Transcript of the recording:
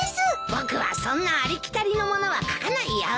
僕はそんなありきたりのものは描かないよ。